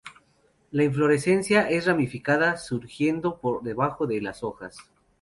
La inflorescencia es ramificada surgiendo por debajo de las hojas.